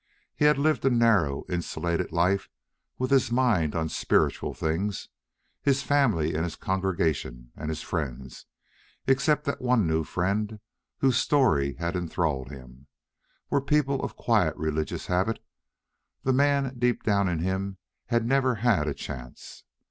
He had lived a narrow, insulated life with his mind on spiritual things; his family and his congregation and his friends except that one new friend whose story had enthralled him were people of quiet religious habit; the man deep down in him had never had a chance.